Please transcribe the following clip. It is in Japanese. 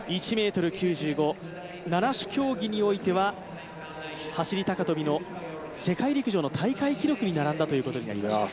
１ｍ９５、七種競技においては走高跳の世界陸上の高い記録に並んだことになりました。